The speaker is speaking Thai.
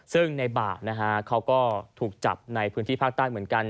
ซึ่งในบ่านะฮะเขาก็ถูกจับในพื้นที่ภาคใต้เหมือนกัน